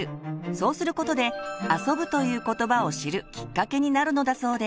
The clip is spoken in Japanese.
そうすることで「遊ぶ」ということばを知るきっかけになるのだそうです。